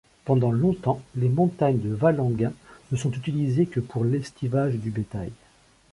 Pendant longtemps, les montagnes de Valangin ne sont utilisées que pour l’estivage du bétail.